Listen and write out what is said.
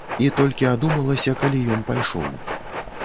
І толькі адумалася, калі ён пайшоў.